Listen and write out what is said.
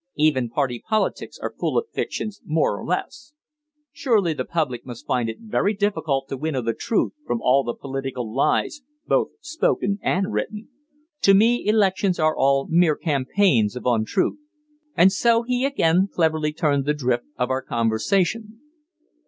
Even party politics are full of fictions, more or less. Surely the public must find it very difficult to winnow the truth from all the political lies, both spoken and written. To me, elections are all mere campaigns of untruth." And so he again cleverly turned the drift of our conversation.